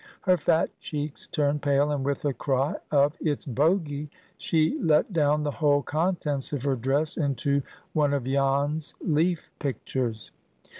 Her fat cheeks turned pale, and with a cry of, "It's Bogy!" she let down the whole contents of her dress into one of Jan's leaf pictures.